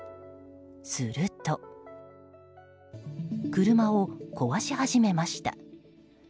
すると車を壊し始めました。